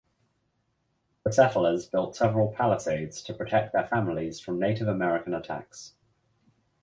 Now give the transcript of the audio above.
The settlers built several palisades to protect their families from Native American attacks.